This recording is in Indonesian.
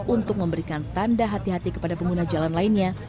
untuk memberikan tanda hati hati kepada pengguna jalan lainnya